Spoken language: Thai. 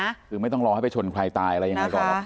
คือไม่ต้องรอให้ไปชนใครตายอะไรยังไงก่อนหรอก